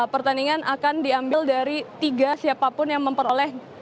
pertandingan akan diambil dari tiga siapapun yang memperoleh